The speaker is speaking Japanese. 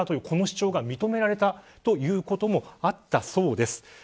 この主張が認められたということもあったそうです。